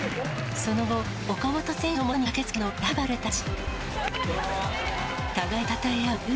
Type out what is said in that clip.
その後、岡本選手の元に駆けつけたのは、ライバルたち。